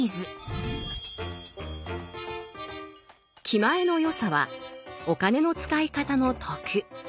「気前の良さ」はお金の使い方の徳。